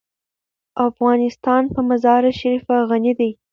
افغانستان په مزارشریف غني دی.